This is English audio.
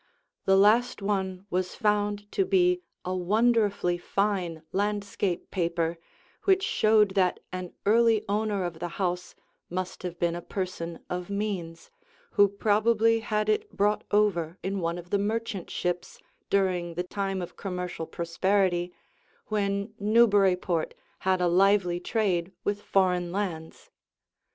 The last one was found to be a wonderfully fine landscape paper, which showed that an early owner of the house must have been a person of means, who probably had it brought over in one of the merchant ships during the time of commercial prosperity, when Newburyport had a lively trade with foreign lands.